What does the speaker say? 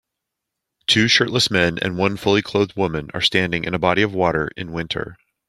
Two shirtless men and one fully clothed woman are standing in a body of water in winter.